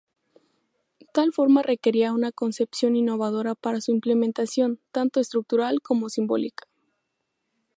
Tal forma requería una concepción innovadora para su implementación, tanto estructural como simbólica.